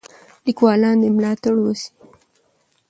لیکوالان دې ملاتړ وسي.